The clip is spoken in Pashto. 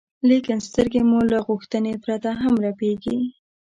لیکن سترګې مو له غوښتنې پرته هم رپېږي.